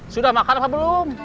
sudah makan apa belum